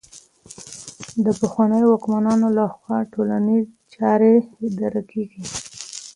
د پخوانيو واکمنانو لخوا ټولنيزې چارې اداره کيدې.